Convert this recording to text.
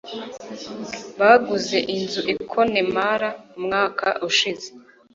Baguze inzu i Connemara umwaka ushize.